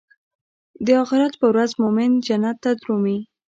د اخرت پر ورځ مومن جنت ته درومي.